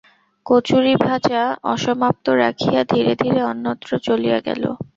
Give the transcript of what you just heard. কচুরিভাজা অসমাপ্ত রাখিয়া ধীরে ধীরে অন্যত্র চলিয়া গেল।